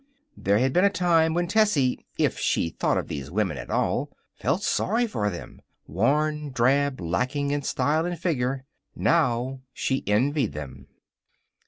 There had been a time when Tessie, if she thought of these women at all, felt sorry for them worn, drab, lacking in style and figure. Now she envied them.